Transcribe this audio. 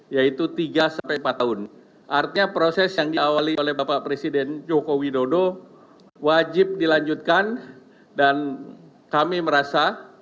yaitu tiga sampai empat tahun artinya proses yang diawali oleh bapak presiden joko widodo wajib dilanjutkan dan kami merasa